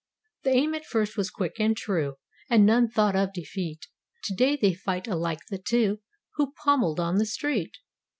The aim at first was quick and true, And none thought of defeat; Today they fight alike the two Who pommeled on the street.